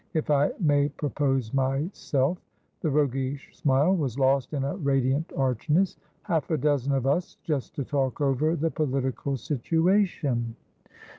If I may propose myself" The roguish smile was lost in a radiant archness. "Half a dozen of us just to talk over the political situation."